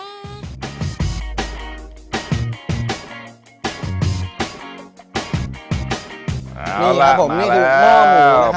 นี่ครับผมนี่คือข้อมูลนะครับ